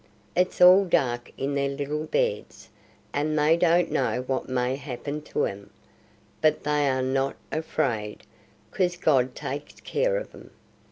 It's all dark in their little beds, and they don't know what may happen to 'em; but they are not afraid 'cause God takes care of 'em.